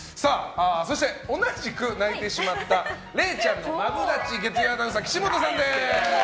そして、同じく泣いてしまったれいちゃんのマブダチ月曜アナウンサー岸本さんです。